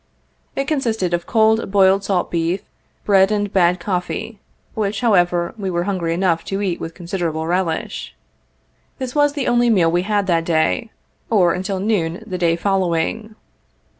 It consisted of cold, boiled salt beef, bread and bad coffee, which however, we were hungry enough to eat with considerable relish. This was the only meal we had that day, or until noon the day following.